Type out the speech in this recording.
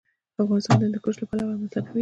افغانستان د هندوکش له پلوه متنوع دی.